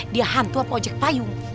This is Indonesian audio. dia hantu op ojek payung